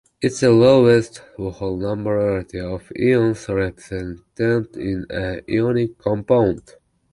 It is the lowest whole number ratio of ions represented in an ionic compound.